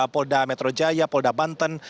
polda metro jaya polda banten